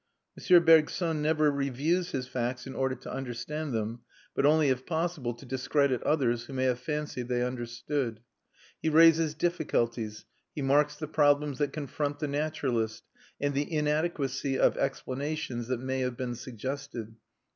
M. Bergson never reviews his facts in order to understand them, but only if possible to discredit others who may have fancied they understood. He raises difficulties, he marks the problems that confront the naturalist, and the inadequacy of explanations that may have been suggested.